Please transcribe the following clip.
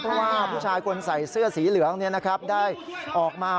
เพราะว่าผู้ชายคนใส่เสื้อสีเหลืองได้ออกมา